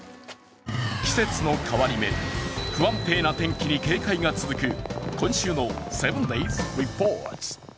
季節の変わり目、不安定な天気に警戒が続く今週の「７ｄａｙｓリポート」。